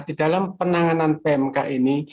di dalam penanganan pmk ini